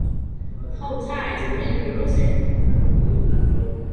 Hold tight, or you'll lose it!